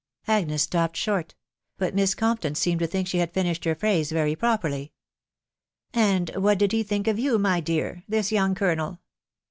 ." Agnes stopped short ; but Miss Compton seemed to think she had finished her phrase very properly, " And what did he think of you, my dear ?•..• this young eolonel